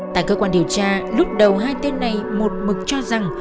tại cơ quan điều tra lúc đầu hai tên này một mực cho rằng